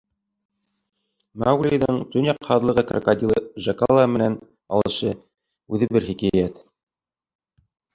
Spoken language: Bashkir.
Мауглиҙың төньяҡ һаҙлығы крокодилы Джакала менән алышы — үҙе бер хикәйәт!